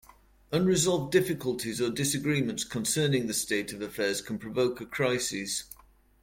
Unresolved difficulties or disagreements concerning the state of affairs can provoke a crisis.